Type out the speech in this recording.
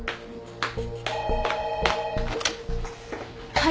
☎はい。